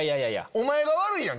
お前が悪いやん！